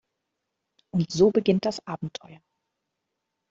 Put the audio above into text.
Und so beginnt das Abenteuer.